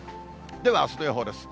ではあすの予報です。